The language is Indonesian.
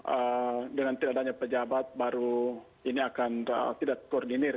ee dengan tidak adanya pejabat baru ini akan tidak terkoordinir